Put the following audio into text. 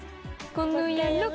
「このやろっ！」